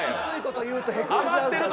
余ってるな。